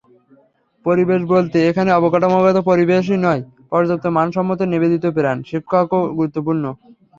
পরিবেশ বলতে এখানে অবকাঠামোগত পরিবেশই নয়, পর্যাপ্ত মানসম্মত নিবেদিতপ্রাণ শিক্ষকও গুরুত্বপূর্ণ।